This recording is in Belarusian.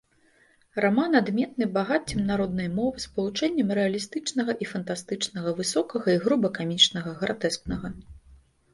Раман адметны багаццем народнай мовы, спалучэннем рэалістычнага і фантастычнага, высокага і груба камічнага, гратэскнага.